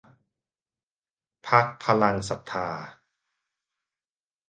พรรคพลังศรัทธา